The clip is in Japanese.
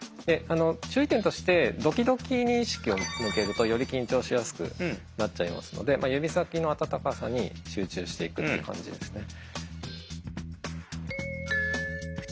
注意点としてドキドキに意識を向けるとより緊張しやすくなっちゃいますので指先の温かさに集中していくって感じですね。